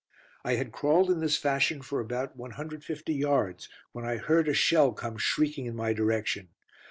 I had crawled in this fashion for about 150 yards, when I heard a shell come shrieking in my direction.